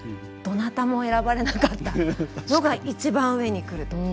どなたも選ばれなかったのが一番上に来ると。